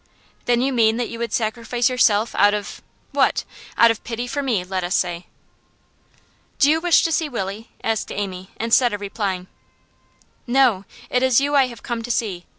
'Then you mean that you would sacrifice yourself out of what? Out of pity for me, let us say.' 'Do you wish to see Willie?' asked Amy, instead of replying. 'No. It is you I have come to see.